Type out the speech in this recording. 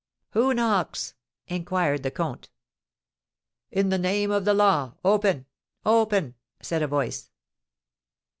"Who knocks?" inquired the comte. "In the name of the law, open! Open!" said a voice.